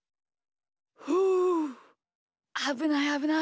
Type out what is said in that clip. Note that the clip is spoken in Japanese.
ふうあぶないあぶない。